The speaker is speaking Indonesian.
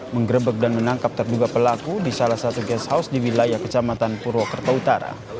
menggrebek dan menangkap terduga pelaku di salah satu case house di wilayah kecamatan purwokerto utara